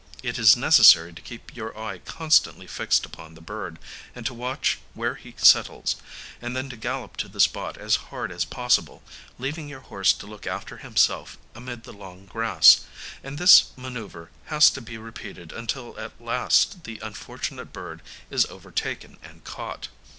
It is necessary to keep your eye constantly fixed upon the bird, and to watch where he settles, and then to gallop to the spot as hard as possible, leaving your horse to look after himself amid the long grass; and this manoeuvre has to be repeated until at last the unfortunate bird is overtaken and caught.